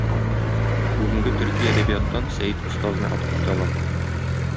Бүгенге төрки әдәбияттан Сәет остазны атап китә алам.